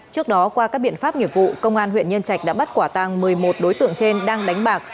trước đó qua các biện pháp nghiệp vụ công an huyện nhân trạch đã bắt quả tàng một mươi một đối tượng trên đang đánh bạc